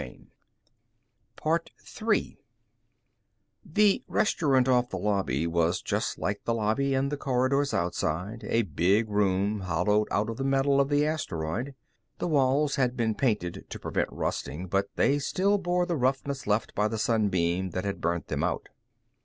The restaurant off the lobby was just like the lobby and the corridors outside a big room hollowed out of the metal of the asteroid. The walls had been painted to prevent rusting, but they still bore the roughness left by the sun beam that had burnt them out.